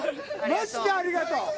マジでありがとう！